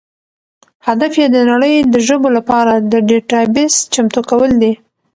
هدف یې د نړۍ د ژبو لپاره د ډیټابیس چمتو کول دي.